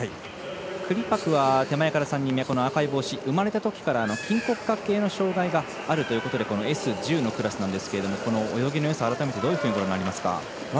クリパクは生まれたときから筋骨格系の障がいがあるということでＳ１０のクラスなんですがこの泳ぎのよさ、どういうふうにご覧になりますか。